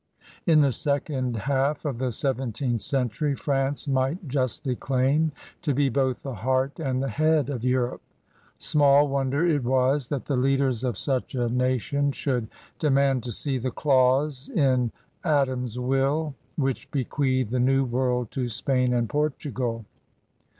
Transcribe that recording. In the second half of the seventeenth century France might justly claim to be both the heart and the head of Europe. Small wonder it was that the leaders of such a nation should demand to see the ''clause in Adam's will'* which bequeathed the New World to Spain and Portugal.